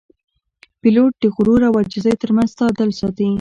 پیلوټ د غرور او عاجزۍ ترمنځ تعادل ساتي.